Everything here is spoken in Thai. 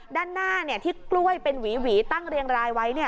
ด้านหน้าที่กล้วยเป็นหวีตั้งเรียงรายไว้